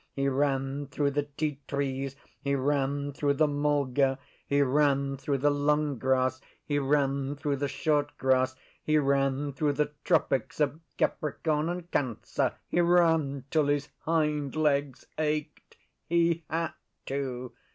He ran through the ti trees; he ran through the mulga; he ran through the long grass; he ran through the short grass; he ran through the Tropics of Capricorn and Cancer; he ran till his hind legs ached. He had to!